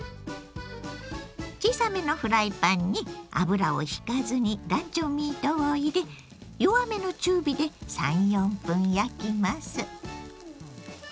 小さめのフライパンに油をひかずにランチョンミートを入れ弱めの中火で３４分焼きます。